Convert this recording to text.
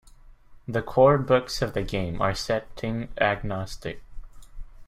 The core books of the game are setting-agnostic.